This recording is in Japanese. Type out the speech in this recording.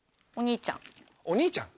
お兄ちゃん。